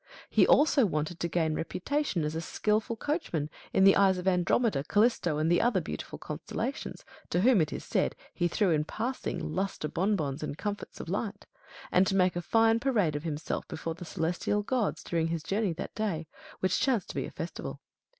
He also wanted to gain reputation as a skilful coach man, in the eyes of Andromeda, Callisto, and the other beautiful constellations, to whom, it is said, he threw, in passing, lustre bonbons, and comfits of light ; and to make a fine parade of himself before the celestial gods during his journey that day, which chanced to be a festival.